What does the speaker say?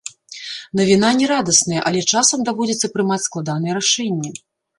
Навіна не радасная, але часам даводзіцца прымаць складаныя рашэнні.